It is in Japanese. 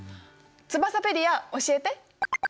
ツバサペディア教えて。